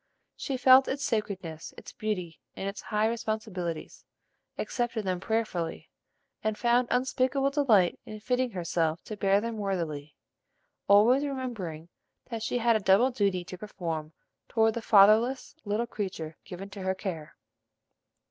She felt its sacredness, its beauty, and its high responsibilities; accepted them prayerfully, and found unspeakable delight in fitting herself to bear them worthily, always remembering that she had a double duty to perform toward the fatherless little creature given to her care.